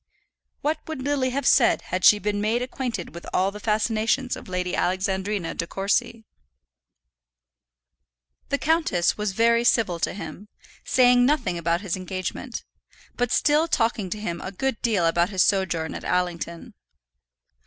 What would Lily have said had she been made acquainted with all the fascinations of Lady Alexandrina De Courcy? The countess was very civil to him, saying nothing about his engagement, but still talking to him a good deal about his sojourn at Allington.